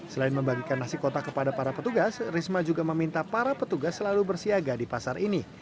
selain membagikan nasi kotak kepada para petugas risma juga meminta para petugas selalu bersiaga di pasar ini